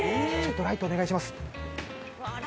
ライトをお願いします。